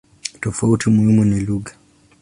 Tofauti muhimu ni lugha.